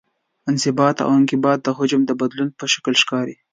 انبساط او انقباض د حجم د بدلون په شکل ښکاري.